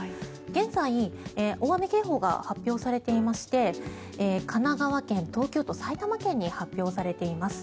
現在、大雨警報が発表されていまして神奈川県、東京都、埼玉県に発表されています。